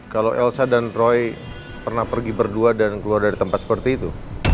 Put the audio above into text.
kalau elsa dan roy pernah pergi berdua dan keluar dari tempat seperti itu